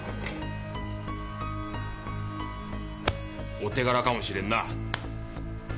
お手柄かもしれんな。